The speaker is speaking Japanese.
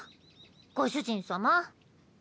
ご主人様。